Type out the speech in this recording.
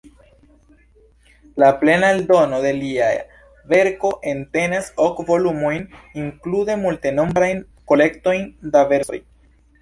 La plena eldono de lia verko entenas ok volumojn, inklude multenombrajn kolektojn da versoj.